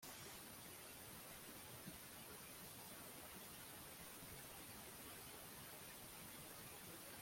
ahari kwiheba biterwa no kwibaza ibibazo byinshi bidasubizwa - miriam toews